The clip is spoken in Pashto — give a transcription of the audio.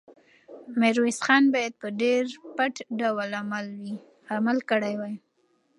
میرویس خان باید په ډېر پټ ډول عمل کړی وی.